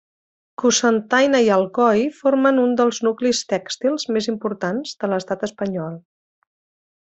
Cocentaina i Alcoi formen un dels nuclis tèxtils més importants de l'estat espanyol.